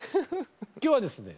今日はですね